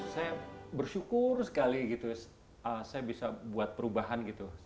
saya bersyukur sekali gitu ya saya bisa buat perubahan gitu